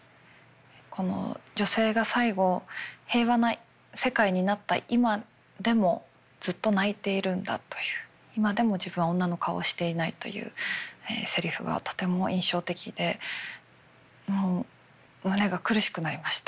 この女性が最後平和な世界になった今でもずっと泣いているんだという今でも自分は女の顔をしていないというせりふがとても印象的でもう胸が苦しくなりました。